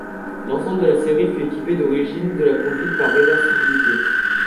L'ensemble de la série fut équipé d'origine de la conduite par réversibilité.